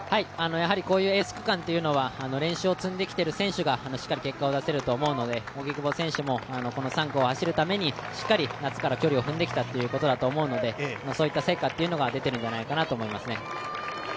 こういうエース区間は練習を積んできている選手はしっかり結果を出せると思うので荻久保選手もこの３区を走るためにしっかり夏から距離を踏んできたということだと思うので、そういった成果が出ているんじゃないかなと思いますね。